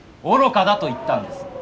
愚かだと言ったんです。